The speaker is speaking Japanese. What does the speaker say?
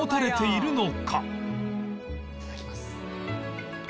いただきます。